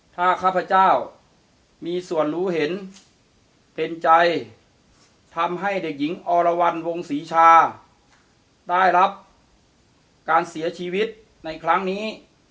ถ้าข้าพเจ้ามีส่วนรู้เห็นเป็นใจทำให้เด็กหญิงอรวรรณวงศรีชาได้รับการเสียชีวิตในครั้งนี้